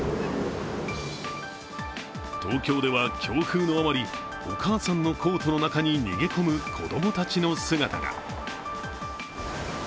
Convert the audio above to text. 東京では強風のあまり、お母さんのコートの中に逃げ込む子供たちの姿が。